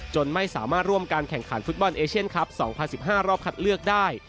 ไม่สามารถร่วมการแข่งขันฟุตบอลเอเชียนคลับ๒๐๑๕รอบคัดเลือกได้